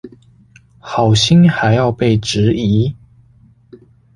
好心還要被質疑